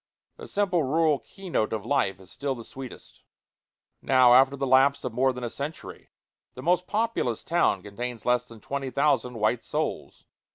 The simple rural key note of life is still the sweetest. Now, after the lapse of more than a century, the most populous town contains less than twenty thousand white souls.